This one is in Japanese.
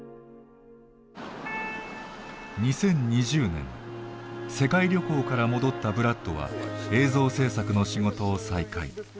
２０２０年世界旅行から戻ったブラッドは映像制作の仕事を再開。